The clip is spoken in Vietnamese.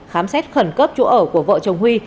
khám xét khẩn cấp chỗ ở của vợ chồng huy